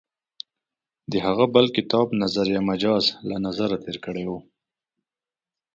د هغه بل کتاب «نظریه مجاز» له نظره تېر کړی و.